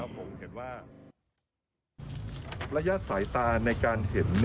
ระยะสายตาในการเห็น